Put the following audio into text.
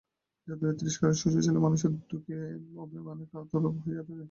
যাদবের তিরস্কারে শশী ছেলেমানুষের দুঃখে অভিমানে কাতর হইয়া থাকে।